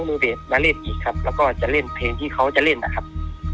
มือเดทมาเล่นอีกครับแล้วก็จะเล่นเพลงที่เขาจะเล่นนะครับ